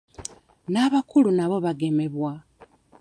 N'abakulu nabo bagemebwa.